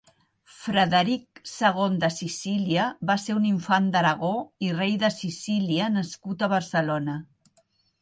Frederic segon de Sicília va ser un infant d'Aragó i rei de Sicília nascut a Barcelona.